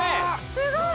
すごい！